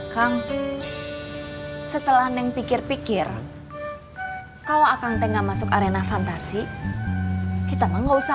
kang setelah neng pikir pikir kau akan tengah masuk arena fantasi kita mau usah